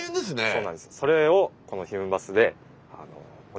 そうなんです。